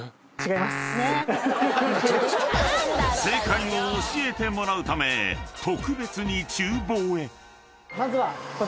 ［正解を教えてもらうため特別に厨房へ］